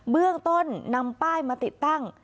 เบื้องต้นนำป้ายมาติดตั้ง